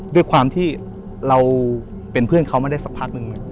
ด้วยความที่เราเป็นเพื่อนเขามาได้สักพักหนึ่ง